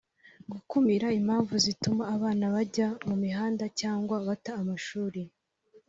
gukumira impamvu zituma abana bajya mu mihanda cyangwa bata amashuri